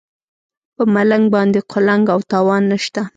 په ملنګ باندې قلنګ او تاوان نشته.